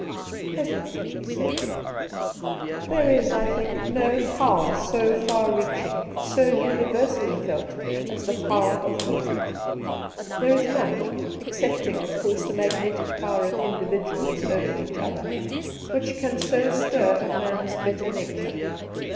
Presently he said : 14—2 212 Two Christmas Days ' There is, I think, no power so far reaching, so univer:sally felt, as the power of music. There is none — excepting, of course, the magnetic power of individuals over each other — which can so stir a man's better nature.